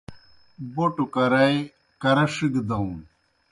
بَوْٹوْ کرائے کرہ ݜِگہ داؤن؟